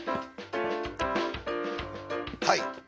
はい。